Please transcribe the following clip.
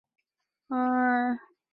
圣拉斐尔还拥有四处海水浴场。